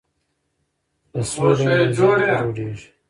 که سوله وي نو ذهن نه ګډوډیږي.